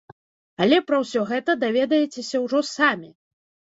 Але пра ўсё гэта даведаецеся ўжо самі!